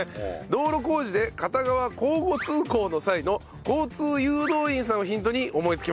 道路工事で片側交互通行の際の交通誘導員さんをヒントに思いつきました。